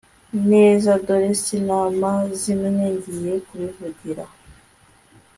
neza dore sinamazimwe ngiye kubivugira